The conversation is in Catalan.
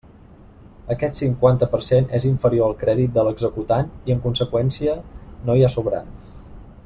Aquest cinquanta per cent és inferior al crèdit de l'executant i en conseqüència no hi ha sobrant.